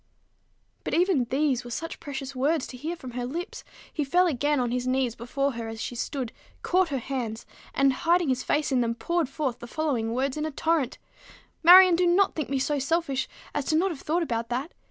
But even these were such precious words to hear from her lips! He fell again on his knees before her as she stood, caught her hands, and, hiding his face in them, poured forth the following words in a torrent, "Marion, do not think me so selfish as not to have thought about that.